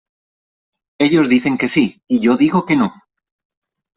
Ellos dicen que sí y yo digo que no.